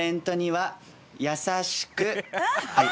はい。